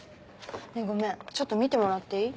ねぇごめんちょっと見てもらっていい？